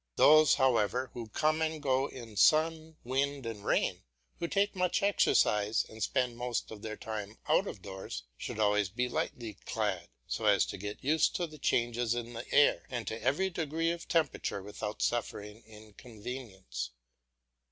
Those, however, who come and go in sun, wind, and rain, who take much exercise, and spend most of their time out of doors, should always be lightly clad, so as to get used to the changes in the air and to every degree of temperature without suffering inconvenience.